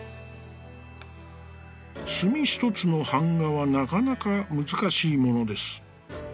「墨一つの板画はなかなかむずかしいものです。